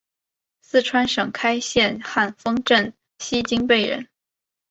四川省开县汉丰镇西津坝人。